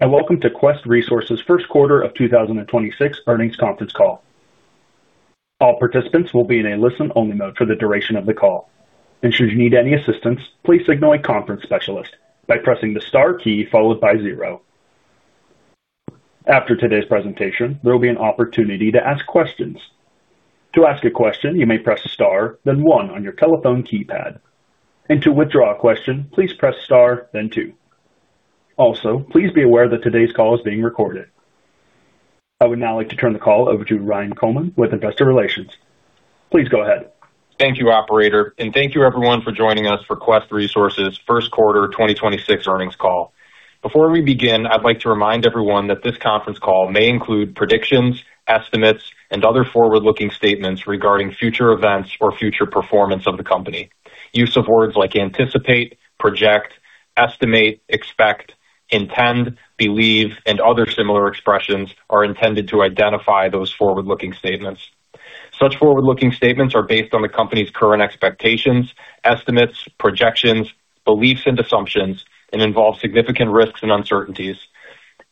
Day. Welcome to Quest Resource's First Quarter of 2026 Earnings Conference Call. All participants will be in a listen-only mode for the duration of the call. Should you need any assistance, please signal a conference specialist by pressing the star key followed by zero. After today's presentation, there will be an opportunity to ask questions. To ask a question, you may press star then one on your telephone keypad. To withdraw a question, please press star then two. Please be aware that today's call is being recorded. I would now like to turn the call over to Ryan Coleman with Investor Relations. Please go ahead. Thank you, operator. Thank you everyone for joining us for Quest Resource's First Quarter 2026 Earnings Call. Before we begin, I'd like to remind everyone that this conference call may include predictions, estimates, and other forward-looking statements regarding future events or future performance of the company. Use of words like anticipate, project, estimate, expect, intend, believe, and other similar expressions are intended to identify those forward-looking statements. Such forward-looking statements are based on the company's current expectations, estimates, projections, beliefs, and assumptions and involve significant risks and uncertainties.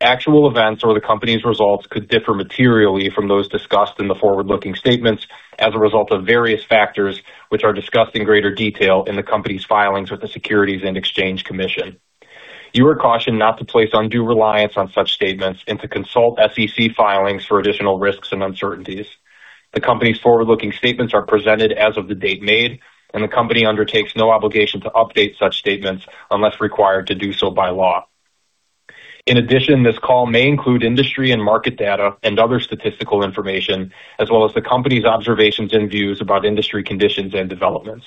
Actual events or the company's results could differ materially from those discussed in the forward-looking statements as a result of various factors which are discussed in greater detail in the company's filings with the Securities and Exchange Commission. You are cautioned not to place undue reliance on such statements and to consult SEC filings for additional risks and uncertainties. The company's forward-looking statements are presented as of the date made, and the company undertakes no obligation to update such statements unless required to do so by law. In addition, this call may include industry and market data and other statistical information, as well as the company's observations and views about industry conditions and developments.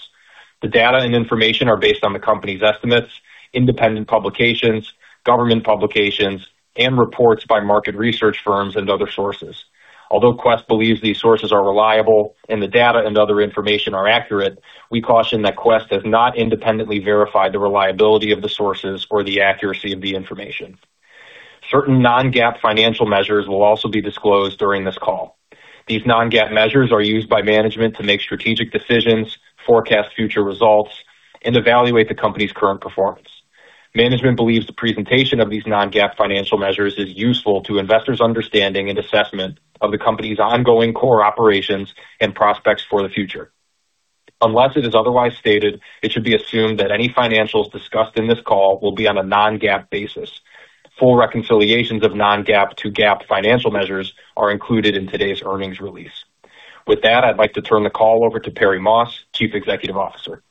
The data and information are based on the company's estimates, independent publications, government publications, and reports by market research firms and other sources. Although Quest believes these sources are reliable and the data and other information are accurate, we caution that Quest has not independently verified the reliability of the sources or the accuracy of the information. Certain non-GAAP financial measures will also be disclosed during this call. These non-GAAP measures are used by management to make strategic decisions, forecast future results, and evaluate the company's current performance. Management believes the presentation of these non-GAAP financial measures is useful to investors' understanding and assessment of the company's ongoing core operations and prospects for the future. Unless it is otherwise stated, it should be assumed that any financials discussed in this call will be on a non-GAAP basis. Full reconciliations of non-GAAP to GAAP financial measures are included in today's earnings release. I'd like to turn the call over to Perry Moss, Chief Executive Officer.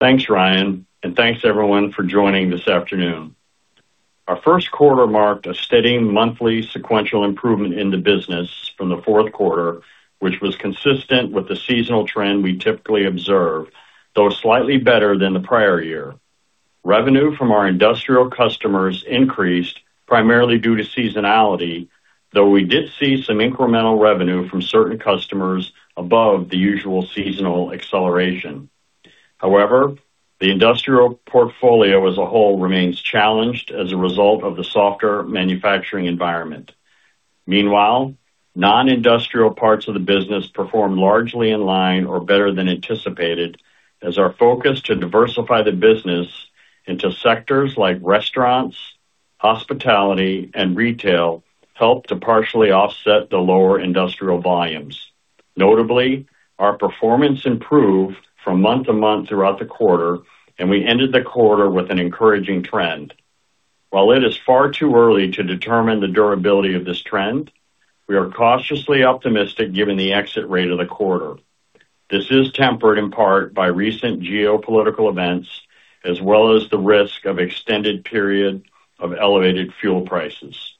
Thanks, Ryan. Thanks everyone for joining this afternoon. Our first quarter marked a steady monthly sequential improvement in the business from the fourth quarter, which was consistent with the seasonal trend we typically observe, though slightly better than the prior year. Revenue from our industrial customers increased primarily due to seasonality, though we did see some incremental revenue from certain customers above the usual seasonal acceleration. However, the industrial portfolio as a whole remains challenged as a result of the softer manufacturing environment. Meanwhile, non-industrial parts of the business performed largely in line or better than anticipated as our focus to diversify the business into sectors like restaurants, hospitality, and retail helped to partially offset the lower industrial volumes. Notably, our performance improved from month to month throughout the quarter, and we ended the quarter with an encouraging trend. While it is far too early to determine the durability of this trend, we are cautiously optimistic given the exit rate of the quarter. This is tempered in part by recent geopolitical events as well as the risk of extended period of elevated fuel prices.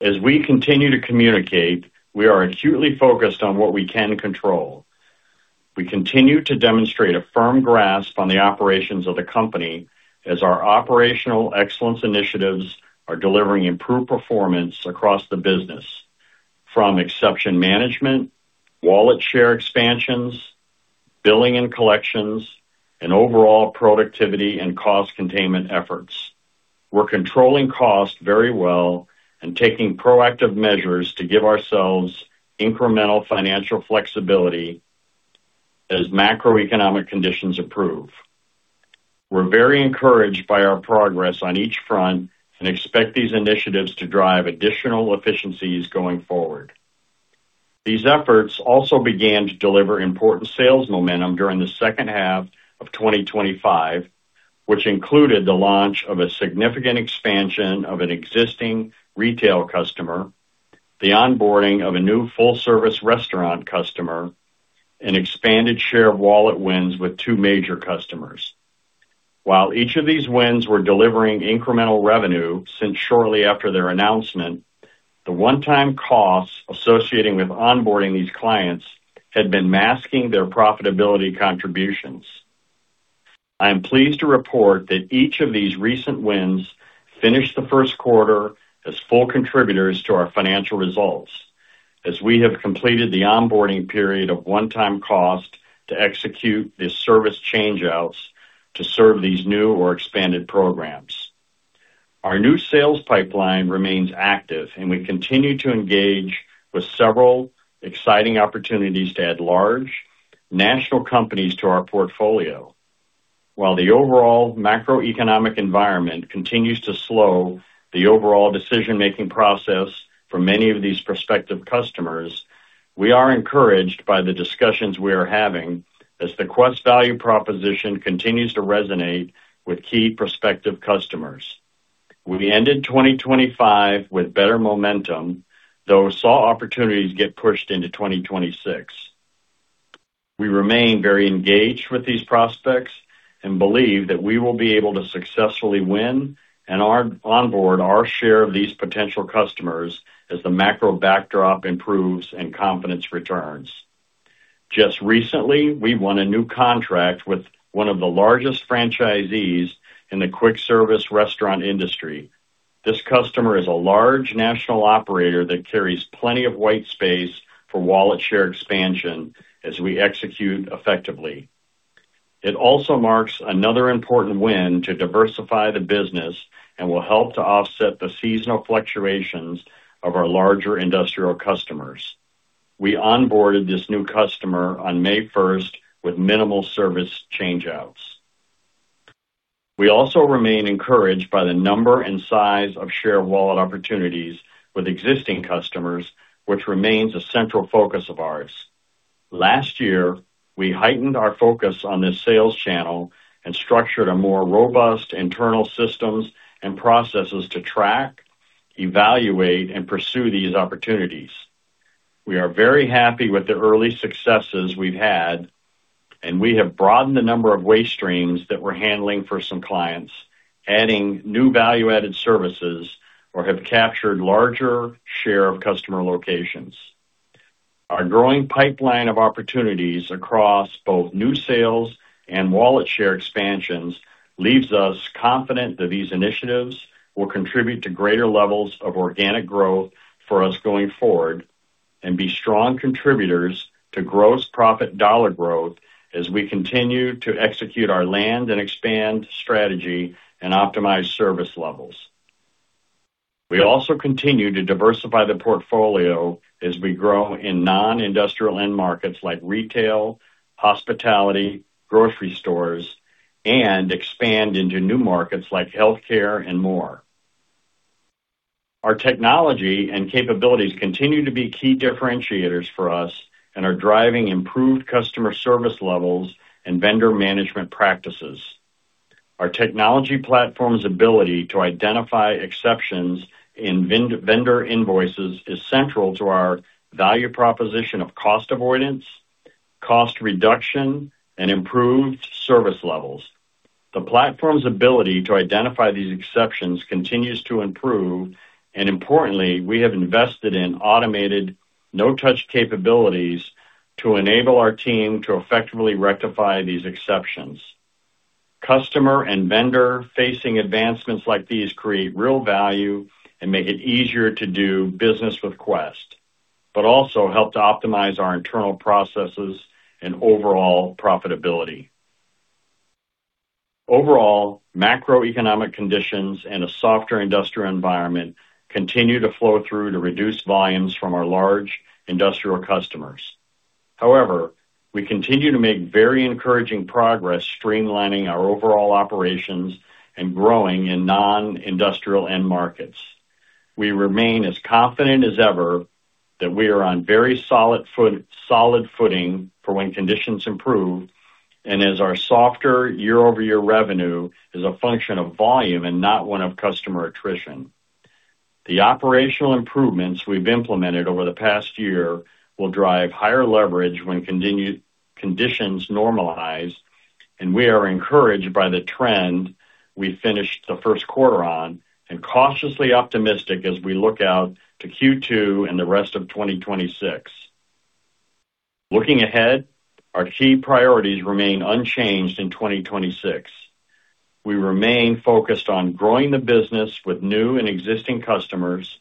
As we continue to communicate, we are acutely focused on what we can control. We continue to demonstrate a firm grasp on the operations of the company as our operational excellence initiatives are delivering improved performance across the business from exception management, wallet share expansions, billing and collections, and overall productivity and cost containment efforts. We're controlling costs very well and taking proactive measures to give ourselves incremental financial flexibility as macroeconomic conditions improve. We're very encouraged by our progress on each front and expect these initiatives to drive additional efficiencies going forward. These efforts also began to deliver important sales momentum during the second half of 2025, which included the launch of a significant expansion of an existing retail customer, the onboarding of a new full-service restaurant customer, and expanded share of wallet wins with two major customers. While each of these wins were delivering incremental revenue since shortly after their announcement, the one-time costs associated with onboarding these clients had been masking their profitability contributions. I am pleased to report that each of these recent wins finished the first quarter as full contributors to our financial results as we have completed the onboarding period of one-time cost to execute the service change-outs to serve these new or expanded programs. Our new sales pipeline remains active, and we continue to engage with several exciting opportunities to add large national companies to our portfolio. While the overall macroeconomic environment continues to slow the overall decision-making process for many of these prospective customers, we are encouraged by the discussions we are having as the Quest value proposition continues to resonate with key prospective customers. We ended 2025 with better momentum, though saw opportunities get pushed into 2026. We remain very engaged with these prospects and believe that we will be able to successfully win and onboard our share of these potential customers as the macro backdrop improves and confidence returns. Just recently, we won a new contract with one of the largest franchisees in the quick service restaurant industry. This customer is a large national operator that carries plenty of white space for wallet share expansion as we execute effectively. It also marks another important win to diversify the business and will help to offset the seasonal fluctuations of our larger industrial customers. We onboarded this new customer on May 1st with minimal service change outs. We also remain encouraged by the number and size of share wallet opportunities with existing customers, which remains a central focus of ours. Last year, we heightened our focus on this sales channel and structured a more robust internal systems and processes to track, evaluate, and pursue these opportunities. We are very happy with the early successes we've had. We have broadened the number of waste streams that we're handling for some clients, adding new value-added services or have captured larger share of customer locations. Our growing pipeline of opportunities across both new sales and wallet share expansions leaves us confident that these initiatives will contribute to greater levels of organic growth for us going forward and be strong contributors to gross profit dollar growth as we continue to execute our land and expand strategy and optimize service levels. We also continue to diversify the portfolio as we grow in non-industrial end markets like retail, hospitality, grocery stores, and expand into new markets like healthcare and more. Our technology and capabilities continue to be key differentiators for us and are driving improved customer service levels and vendor management practices. Our technology platform's ability to identify exceptions in vendor invoices is central to our value proposition of cost avoidance, cost reduction, and improved service levels. The platform's ability to identify these exceptions continues to improve. Importantly, we have invested in automated no-touch capabilities to enable our team to effectively rectify these exceptions. Customer and vendor-facing advancements like these create real value and make it easier to do business with Quest, also help to optimize our internal processes and overall profitability. Overall, macroeconomic conditions and a softer industrial environment continue to flow through to reduce volumes from our large industrial customers. However, we continue to make very encouraging progress streamlining our overall operations and growing in non-industrial end markets. We remain as confident as ever that we are on very solid footing for when conditions improve and as our softer year-over-year revenue is a function of volume and not one of customer attrition. The operational improvements we've implemented over the past year will drive higher leverage when conditions normalize, and we are encouraged by the trend we finished the first quarter on and cautiously optimistic as we look out to Q2 and the rest of 2026. Looking ahead, our key priorities remain unchanged in 2026. We remain focused on growing the business with new and existing customers,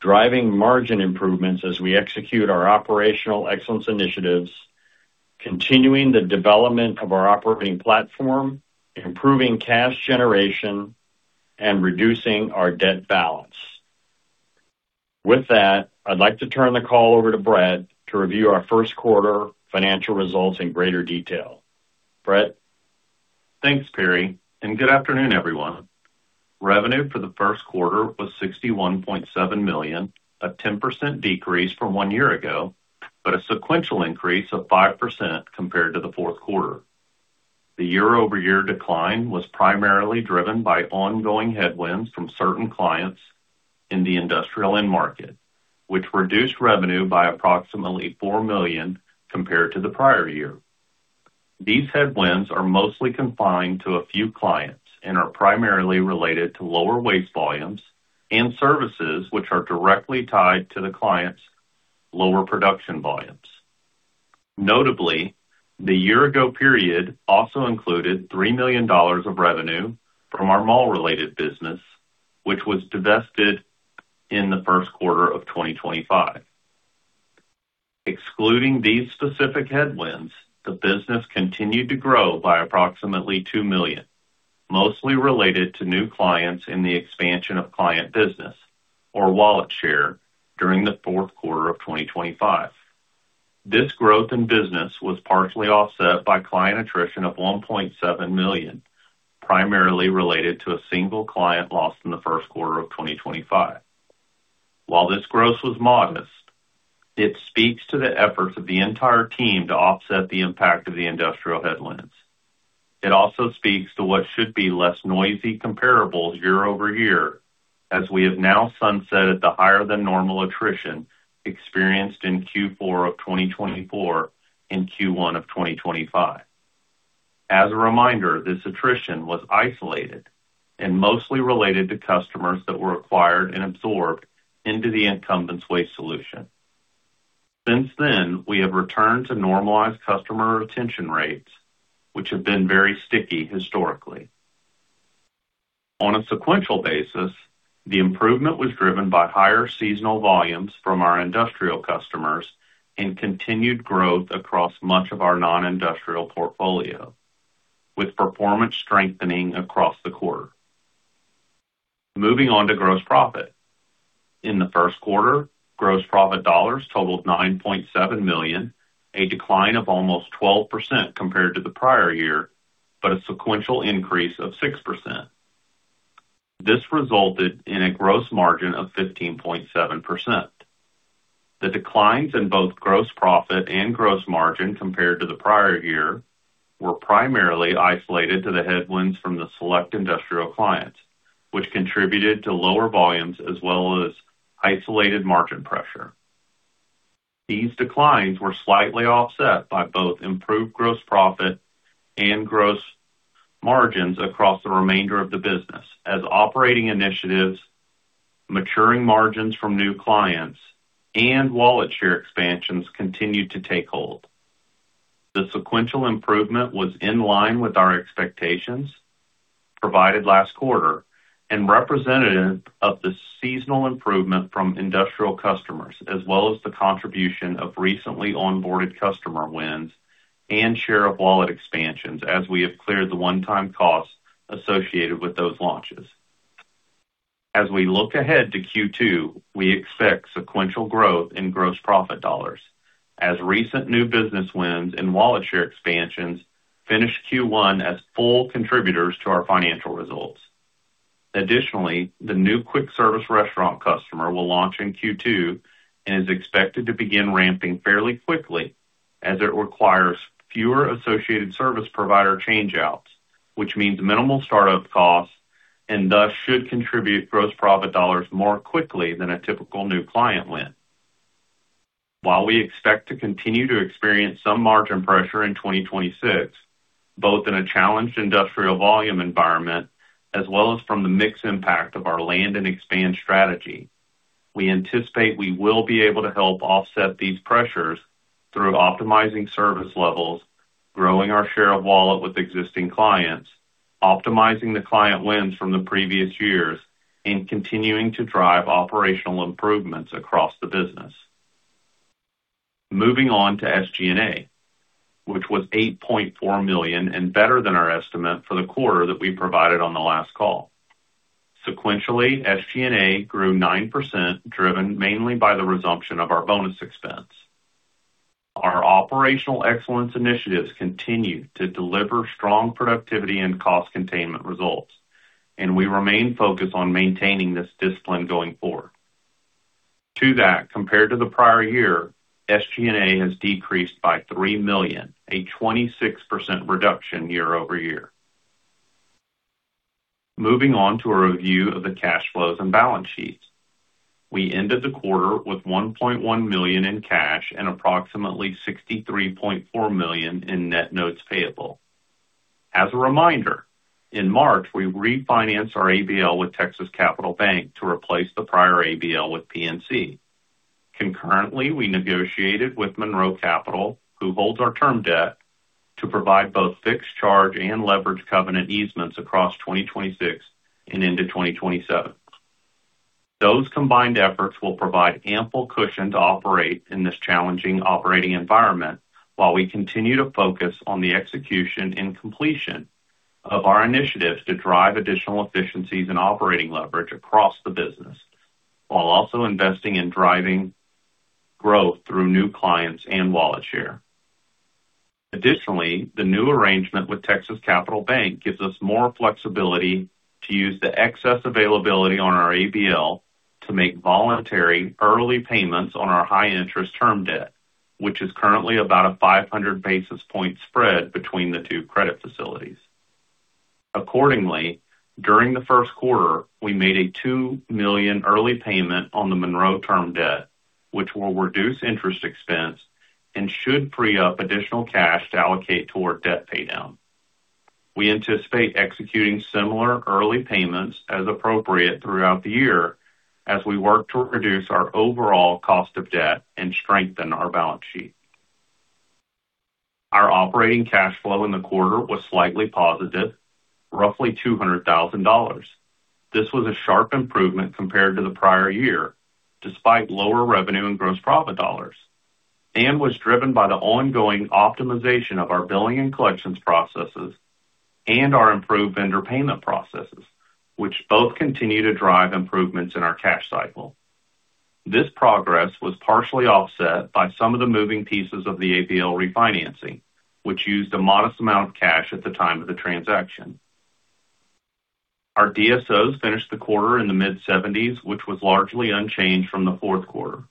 driving margin improvements as we execute our operational excellence initiatives, continuing the development of our operating platform, improving cash generation, and reducing our debt balance. With that, I'd like to turn the call over to Brett to review our first quarter financial results in greater detail. Brett? Thanks, Perry, and good afternoon, everyone. Revenue for the first quarter was $61.7 million, a 10% decrease from one year ago, but a sequential increase of 5% compared to the fourth quarter. The year-over-year decline was primarily driven by ongoing headwinds from certain clients in the industrial end market, which reduced revenue by approximately $4 million compared to the prior year. These headwinds are mostly confined to a few clients and are primarily related to lower waste volumes and services which are directly tied to the clients' lower production volumes. Notably, the year-ago period also included $3 million of revenue from our mall-related business, which was divested in the first quarter of 2025. Excluding these specific headwinds, the business continued to grow by approximately $2 million, mostly related to new clients in the expansion of client business or wallet share during the fourth quarter of 2025. This growth in business was partially offset by client attrition of $1.7 million, primarily related to a single client loss in the first quarter of 2025. While this growth was modest, it speaks to the efforts of the entire team to offset the impact of the industrial headwinds. It also speaks to what should be less noisy comparables year-over-year, as we have now sunsetted the higher than normal attrition experienced in Q4 of 2024 and Q1 of 2025. As a reminder, this attrition was isolated and mostly related to customers that were acquired and absorbed into the incumbents waste solution. Since then, we have returned to normalized customer retention rates, which have been very sticky historically. On a sequential basis, the improvement was driven by higher seasonal volumes from our industrial customers and continued growth across much of our non-industrial portfolio, with performance strengthening across the quarter. Moving on to gross profit. In the first quarter, gross profit dollars totaled $9.7 million, a decline of almost 12% compared to the prior year, but a sequential increase of 6%. This resulted in a gross margin of 15.7%. The declines in both gross profit and gross margin compared to the prior year were primarily isolated to the headwinds from the select industrial clients, which contributed to lower volumes as well as isolated margin pressure. These declines were slightly offset by both improved gross profit and gross margins across the remainder of the business as operating initiatives, maturing margins from new clients and wallet share expansions continued to take hold. The sequential improvement was in line with our expectations provided last quarter and representative of the seasonal improvement from industrial customers as well as the contribution of recently onboarded customer wins and share of wallet expansions as we have cleared the one-time costs associated with those launches. As we look ahead to Q2, we expect sequential growth in gross profit dollars as recent new business wins and wallet share expansions finish Q1 as full contributors to our financial results. Additionally, the new quick service restaurant customer will launch in Q2 and is expected to begin ramping fairly quickly as it requires fewer associated service provider change outs, which means minimal startup costs and thus should contribute gross profit dollars more quickly than a typical new client win. While we expect to continue to experience some margin pressure in 2026, both in a challenged industrial volume environment as well as from the mix impact of our land and expand strategy, we anticipate we will be able to help offset these pressures through optimizing service levels, growing our share of wallet with existing clients, optimizing the client wins from the previous years, and continuing to drive operational improvements across the business. Moving on to SG&A, which was $8.4 million and better than our estimate for the quarter that we provided on the last call. Sequentially, SG&A grew 9%, driven mainly by the resumption of our bonus expense. Our operational excellence initiatives continue to deliver strong productivity and cost containment results, we remain focused on maintaining this discipline going forward. To that, compared to the prior year, SG&A has decreased by $3 million, a 26% reduction year-over-year. Moving on to a review of the cash flows and balance sheets. We ended the quarter with $1.1 million in cash and approximately $63.4 million in net notes payable. As a reminder, in March, we refinanced our ABL with Texas Capital Bank to replace the prior ABL with PNC. Concurrently, we negotiated with Monroe Capital, who holds our term debt to provide both fixed charge and leverage covenant easements across 2026 and into 2027. Those combined efforts will provide ample cushion to operate in this challenging operating environment while we continue to focus on the execution and completion of our initiatives to drive additional efficiencies and operating leverage across the business, while also investing in driving growth through new clients and wallet share. Additionally, the new arrangement with Texas Capital Bank gives us more flexibility to use the excess availability on our ABL to make voluntary early payments on our high interest term debt, which is currently about a 500 basis point spread between the two credit facilities. Accordingly, during the first quarter, we made a $2 million early payment on the Monroe term debt, which will reduce interest expense and should free up additional cash to allocate toward debt paydown. We anticipate executing similar early payments as appropriate throughout the year as we work to reduce our overall cost of debt and strengthen our balance sheet. Our operating cash flow in the quarter was slightly positive, roughly $200,000. This was a sharp improvement compared to the prior year, despite lower revenue and gross profit dollars, and was driven by the ongoing optimization of our billing and collections processes and our improved vendor payment processes, which both continue to drive improvements in our cash cycle. This progress was partially offset by some of the moving pieces of the ABL refinancing, which used a modest amount of cash at the time of the transaction. Our DSOs finished the quarter in the mid-70s, which was largely unchanged from the fourth quarter.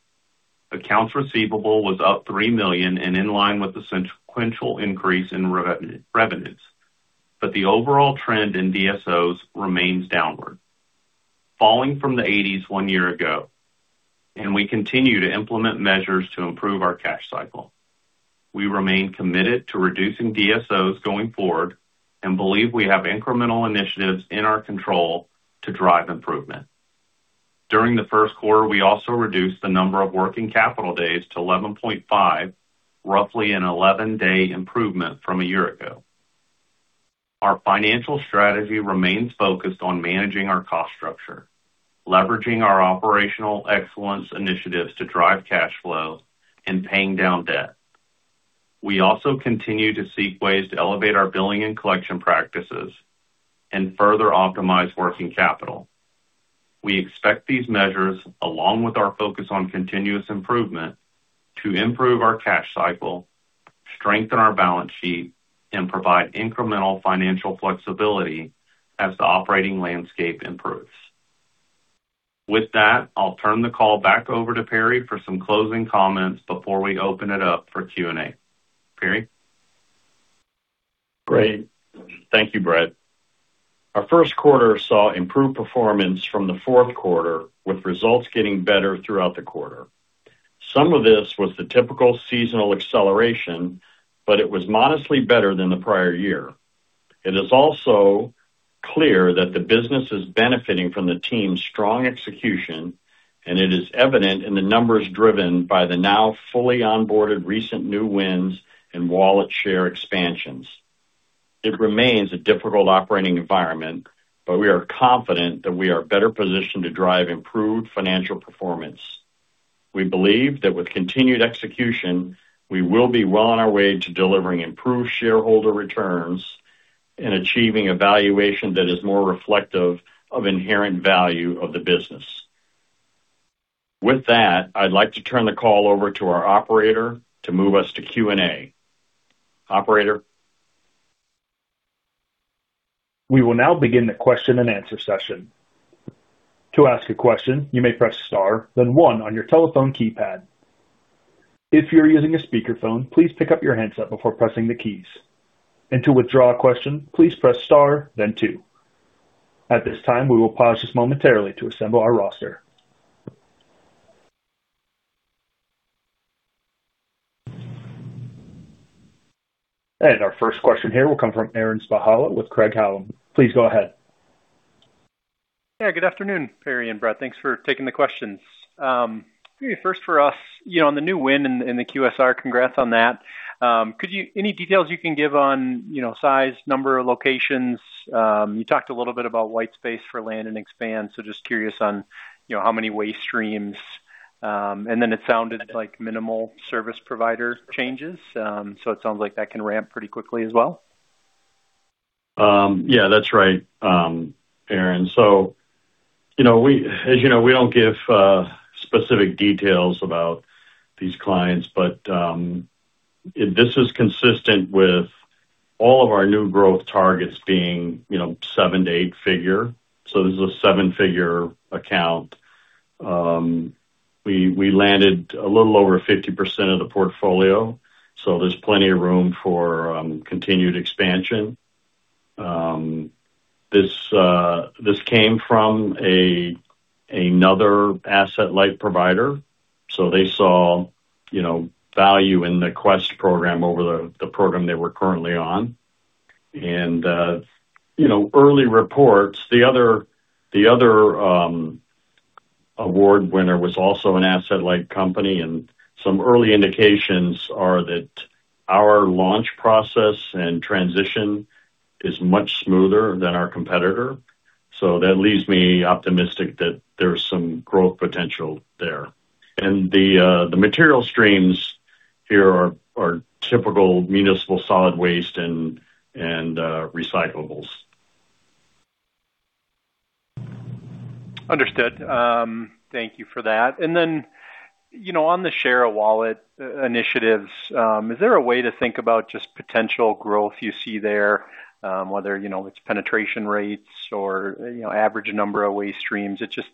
Accounts receivable was up $3 million and in line with the sequential increase in revenues. The overall trend in DSOs remains downward, falling from the 80s one year ago, and we continue to implement measures to improve our cash cycle. We remain committed to reducing DSOs going forward and believe we have incremental initiatives in our control to drive improvement. During the first quarter, we also reduced the number of working capital days to 11.5, roughly an 11-day improvement from a year ago. Our financial strategy remains focused on managing our cost structure, leveraging our operational excellence initiatives to drive cash flow and paying down debt. We also continue to seek ways to elevate our billing and collection practices and further optimize working capital. We expect these measures, along with our focus on continuous improvement, to improve our cash cycle, strengthen our balance sheet, and provide incremental financial flexibility as the operating landscape improves. With that, I'll turn the call back over to Perry for some closing comments before we open it up for Q&A. Perry? Great. Thank you, Brett. Our first quarter saw improved performance from the fourth quarter, with results getting better throughout the quarter. Some of this was the typical seasonal acceleration, but it was modestly better than the prior year. It is also clear that the business is benefiting from the team's strong execution, and it is evident in the numbers driven by the now fully onboarded recent new wins and wallet share expansions. It remains a difficult operating environment, but we are confident that we are better positioned to drive improved financial performance. We believe that with continued execution, we will be well on our way to delivering improved shareholder returns and achieving a valuation that is more reflective of inherent value of the business. With that, I'd like to turn the call over to our operator to move us to Q&A. Operator? We will now begin the question-and-answer session. To ask a question, you may press star, then one on your telephone keypad. If you are using a speakerphone, please pick up your handset before pressing the keys. To withdraw a question, please press star, then two. At this time, we will pause just momentarily to assemble our roster. Our first question here will come from Aaron Spychalla with Craig-Hallum. Please go ahead. Yeah, good afternoon, Perry and Brett. Thanks for taking the questions. Maybe first for us, you know, on the new win in the QSR, congrats on that. Any details you can give on, you know, size, number of locations? You talked a little bit about white space for land and expand, so just curious on, you know, how many waste streams? Then it sounded like minimal service provider changes, so it sounds like that can ramp pretty quickly as well. Yeah, that's right, Aaron. You know, we, as you know, we don't give specific details about these clients, but this is consistent with all of our new growth targets being, you know, seven-eight figure. This is a seven-figure account. We landed a little over 50% of the portfolio, so there's plenty of room for continued expansion. This came from another asset-light provider, so they saw, you know, value in the Quest program over the program they were currently on. You know, early reports, the other award winner was also an asset-light company, and some early indications are that our launch process and transition is much smoother than our competitor. That leaves me optimistic that there's some growth potential there. The material streams here are typical municipal solid waste and recyclables. Understood. Thank you for that. You know, on the share of wallet initiatives, is there a way to think about just potential growth you see there, whether, you know, it's penetration rates or, you know, average number of waste streams? It just,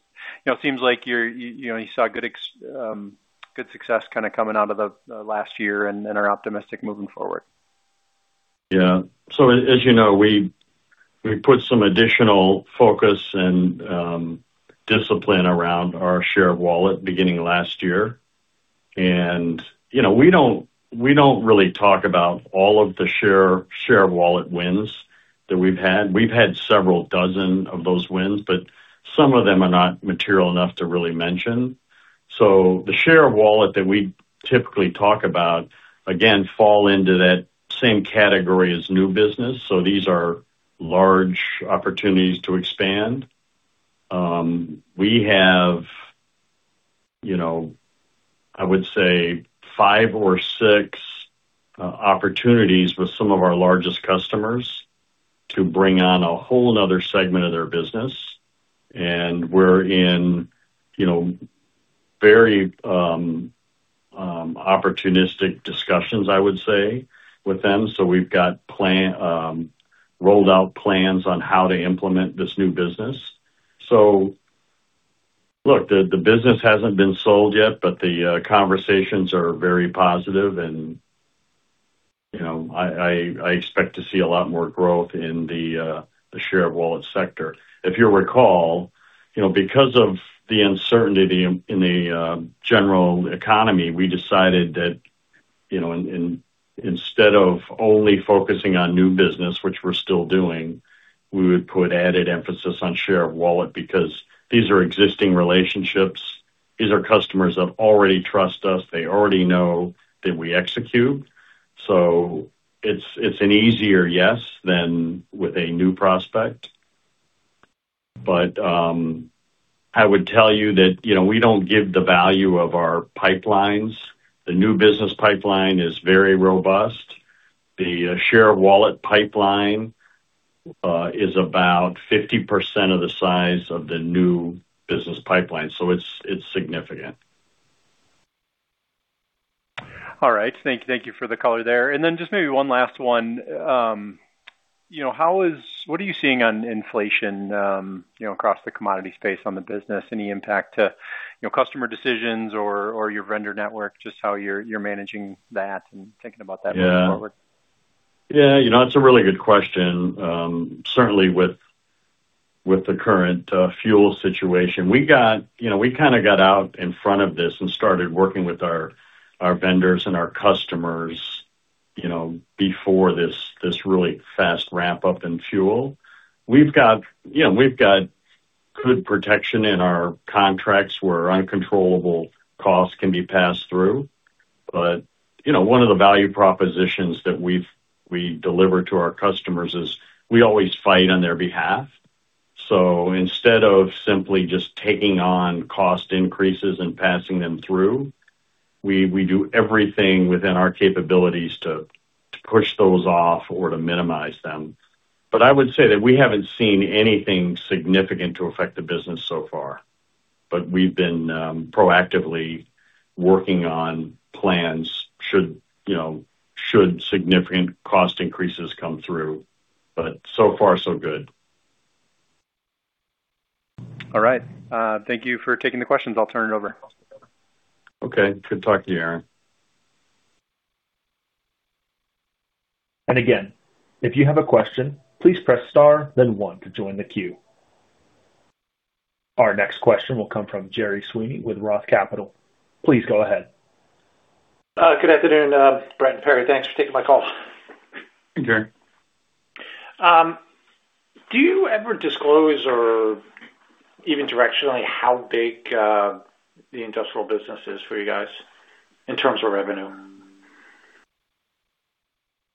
you know, seems like you're, you know, you saw good success kind of coming out of the last year and are optimistic moving forward. Yeah. As you know, we put some additional focus and discipline around our share of wallet beginning last year. You know, we don't really talk about all of the share of wallet wins that we've had. We've had several dozen of those wins, but some of them are not material enough to really mention. So the share of wallet that we typically talk about, again, fall into that same category as new business. These are large opportunities to expand. We have, you know, I would say five or six opportunities with some of our largest customers to bring on a whole another segment of their business. We're in, you know, very opportunistic discussions, I would say, with them. We've got plan, rolled out plans on how to implement this new business. Look, the business hasn't been sold yet, but the conversations are very positive and, you know, I expect to see a lot more growth in the share of wallet sector. If you recall, you know, because of the uncertainty in the general economy, we decided that, you know, instead of only focusing on new business, which we're still doing, we would put added emphasis on share of wallet because these are existing relationships. These are customers that already trust us. They already know that we execute. It's an easier yes than with a new prospect. I would tell you that, you know, we don't give the value of our pipelines. The new business pipeline is very robust. The share of wallet pipeline is about 50% of the size of the new business pipeline. It's significant. All right. Thank you for the color there. Then just maybe one last one. You know, what are you seeing on inflation, you know, across the commodity space on the business? Any impact to, you know, customer decisions or your vendor network? Just how you're managing that and thinking about that moving forward? Yeah, you know, it's a really good question. Certainly with the current fuel situation. You know, we kind of got out in front of this and started working with our vendors and our customers, you know, before this really fast ramp-up in fuel. We've got, you know, good protection in our contracts where uncontrollable costs can be passed through. You know, one of the value propositions that we deliver to our customers is we always fight on their behalf. Instead of simply just taking on cost increases and passing them through, we do everything within our capabilities to push those off or to minimize them. I would say that we haven't seen anything significant to affect the business so far. We've been proactively working on plans should, you know, should significant cost increases come through. So far so good. All right. Thank you for taking the questions. I'll turn it over. Okay. Good talking to you, Aaron. Again, if you have a question, please press star then one to join the queue. Our next question will come from Gerry Sweeney with ROTH Capital. Please go ahead. Good afternoon, Brett and Perry. Thanks for taking my call. Hey, Gerry. Do you ever disclose or even directionally how big the industrial business is for you guys in terms of revenue?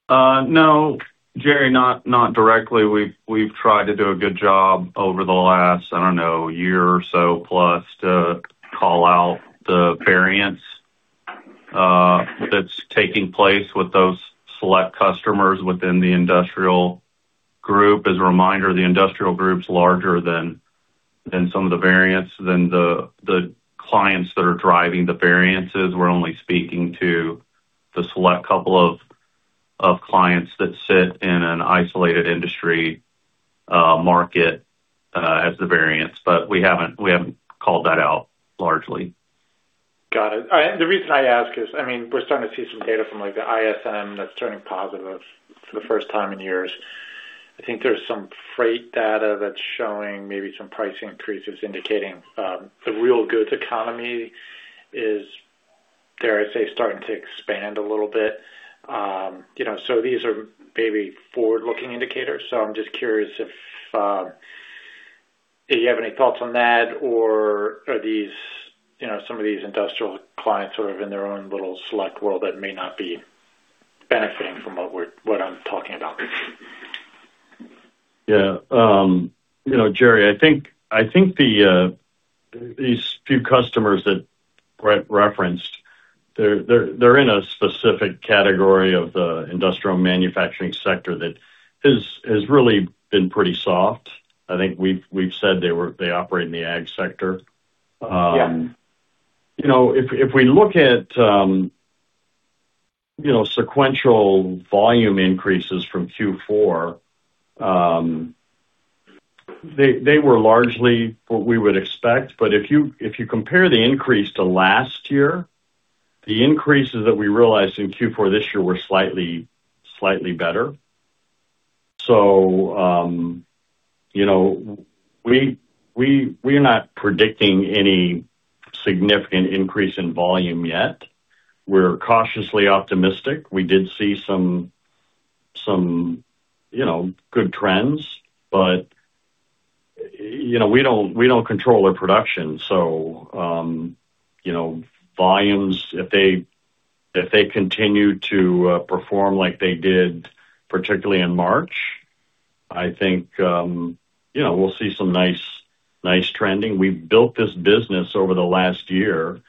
No, Gerry, not directly. We've tried to do a good job over the last, I don't know, year or so plus to call out the variance, that's taking place with those select customers within the industrial group. As a reminder, the industrial group's larger than some of the variance. The clients that are driving the variances, we're only speaking to the select couple of clients that sit in an isolated industry, market, as the variance. We haven't called that out largely. Got it. I, the reason I ask is, I mean, we're starting to see some data from like the ISM that's turning positive for the first time in years. I think there's some freight data that's showing maybe some price increases indicating, the real goods economy is, dare I say, starting to expand a little bit. You know, these are maybe forward-looking indicators. I'm just curious if you have any thoughts on that or are these, you know, some of these industrial clients sort of in their own little select world that may not be benefiting from what we're, what I'm talking about? Yeah. you know, Gerry, I think the these few customers that Brett referenced, they're in a specific category of the industrial manufacturing sector that has really been pretty soft. I think we've said they operate in the ag sector. Yeah. You know, if we look at sequential volume increases from Q4, they were largely what we would expect. If you compare the increase to last year, the increases that we realized in Q4 this year were slightly better. We're not predicting any significant increase in volume yet. We're cautiously optimistic. We did see some good trends, but we don't control our production. Volumes, if they continue to perform like they did, particularly in March, I think, we'll see some nice trending. We've built this business over the last year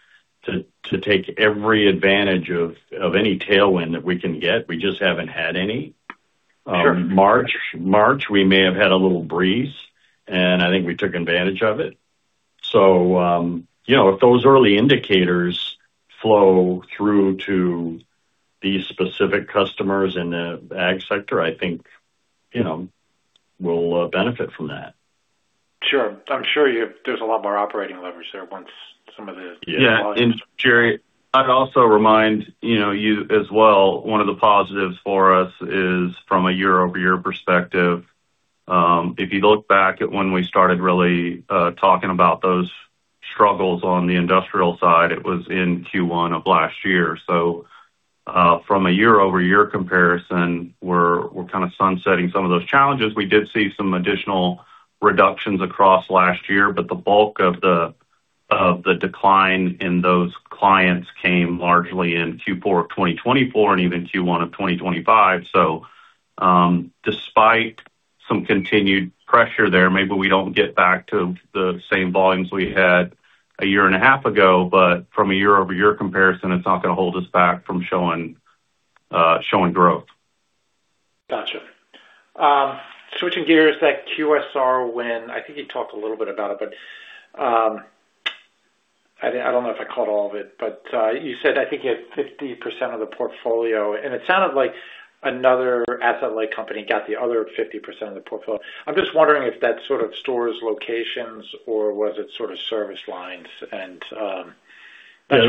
to take every advantage of any tailwind that we can get. We just haven't had any. Sure. March, we may have had a little breeze, and I think we took advantage of it. You know, if those early indicators flow through to these specific customers in the ag sector, I think, you know, we'll benefit from that. Sure. There's a lot more operating leverage there. Yeah. Gerry, I'd also remind, you know, you as well, one of the positives for us is from a year-over-year perspective. If you look back at when we started really talking about those struggles on the industrial side, it was in Q1 of last year. From a year-over-year comparison, we're kind of sunsetting some of those challenges. We did see some additional reductions across last year, but the bulk of the decline in those clients came largely in Q4 of 2024 and even Q1 of 2025. Despite some continued pressure there, maybe we don't get back to the same volumes we had a year and a half ago. From a year-over-year comparison, it's not gonna hold us back from showing growth. Gotcha. Switching gears, that QSR win, I think you talked a little bit about it, but, I don't know if I caught all of it, but, you said, I think you had 50% of the portfolio, and it sounded like another asset-light company got the other 50% of the portfolio. I'm just wondering if that sort of stores locations or was it sort of service lines? Gerry, that's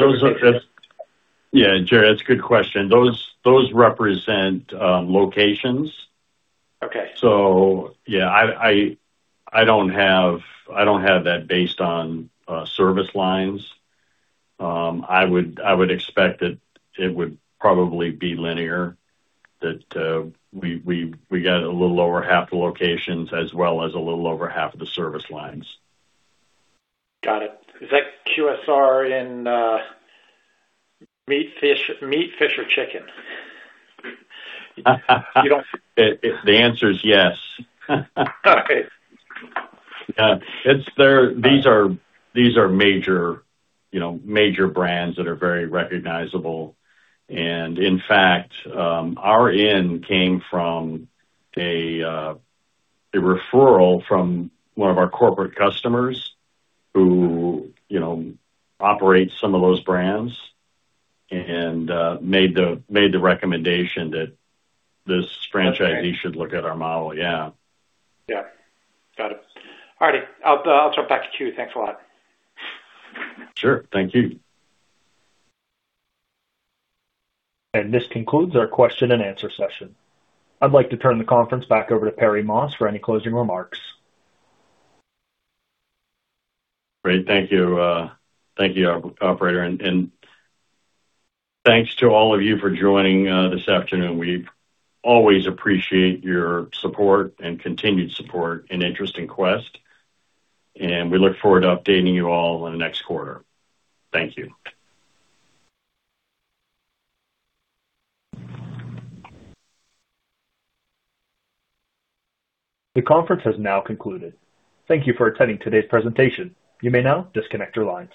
a good question. Those represent locations. Okay. Yeah, I don't have that based on service lines. I would expect that it would probably be linear, that we got a little over half the locations as well as a little over half of the service lines. Got it. Is that QSR in meat, fish, meat, fish, or chicken? The answer is yes. Okay. Yeah. These are major, you know, major brands that are very recognizable. In fact, our in came from a referral from one of our corporate customers who, you know, operates some of those brands and made the recommendation that this franchisee should look at our model. Yeah. Yeah. Got it. All righty. I'll jump back to queue. Thanks a lot. Sure. Thank you. This concludes our question-and-answer session. I'd like to turn the conference back over to Perry Moss for any closing remarks. Great. Thank you. Thank you, operator. Thanks to all of you for joining this afternoon. We always appreciate your support and continued support and interest in Quest. We look forward to updating you all on the next quarter. Thank you. The conference has now concluded. Thank you for attending today's presentation. You may now disconnect your lines.